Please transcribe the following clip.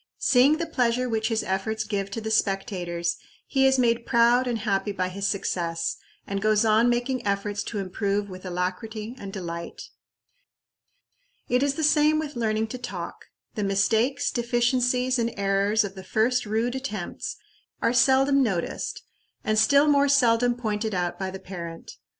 Seeing the pleasure which his efforts give to the spectators, he is made proud and happy by his success, and goes on making efforts to improve with alacrity and delight. It is the same with learning to talk. The mistakes, deficiencies, and errors of the first rude attempts are seldom noticed, and still more seldom pointed out by the parent.